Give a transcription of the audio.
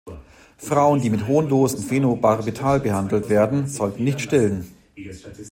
Frauen, die mit hohen Dosen Phenobarbital behandelt werden, sollten nicht stillen.